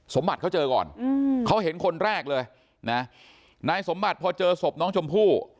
สมบัติเขาเจอก่อนเขาเห็นคนแรกเลยนะนายสมบัติพอเจอศพน้องชมพู่